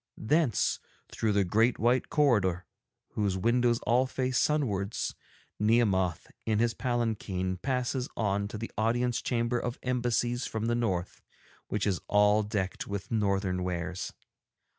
Thence, through the great white corridor whose windows all face sunwards, Nehemoth, in his palanquin, passes on to the Audience Chamber of Embassies from the North, which is all decked with Northern wares.